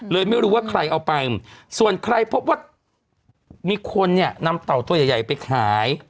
ไม่รู้ว่าใครเอาไปส่วนใครพบว่ามีคนเนี่ยนำเต่าตัวใหญ่ไปขาย